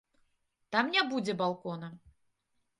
Там не будзе балкона.